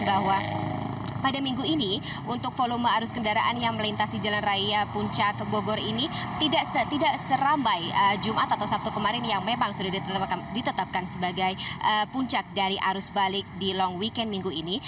bahwa pada minggu ini untuk volume arus kendaraan yang melintasi jalan raya puncak bogor ini tidak serambai jumat atau sabtu kemarin yang memang sudah ditetapkan sebagai puncak dari arus balik di long weekend minggu ini